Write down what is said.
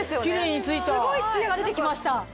すごいツヤが出てきました。